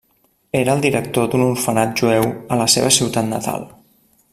Era el director d'un orfenat jueu a la seva ciutat natal.